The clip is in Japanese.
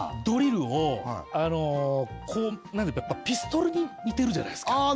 ドリルをこう何かピストルに似てるじゃないですか